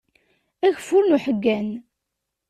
Ageffur n uḥeggan.